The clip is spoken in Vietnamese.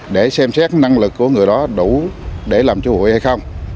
để xem xét năng lực của người đó đủ để làm chơi hụi hay không